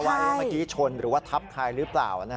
ว่าเมื่อกี้ชนหรือว่าทับใครหรือเปล่า